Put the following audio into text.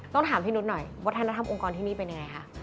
ต้องถามพี่นุ๊ตหน่อยวัฒนธรรมองค์กรที่นี่เป็นอย่างไรฮะ